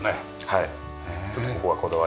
はい。